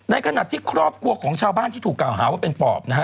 ในขณะที่ครอบครัวของชาวบ้านที่ถูกกล่าวหาว่าเป็นปอบนะฮะ